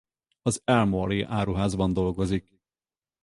Az Elmore-i Áruházban dolgozik.